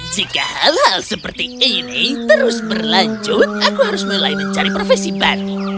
jika hal hal seperti ini terus berlanjut aku harus mulai mencari profesi baru